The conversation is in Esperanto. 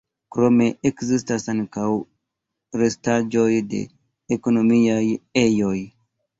Krome ekzistas ankoraŭ restaĵoj de ekonomiaj ejoj.